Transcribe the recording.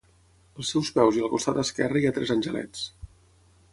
Als seus peus i al costat esquerre hi ha tres angelets.